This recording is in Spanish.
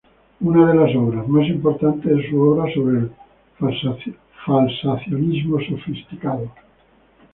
Una de las obras más importante es su obra sobre el Falsacionismo sofisticado.